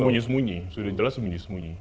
sembunyi sembunyi sudah jelas sembunyi sembunyi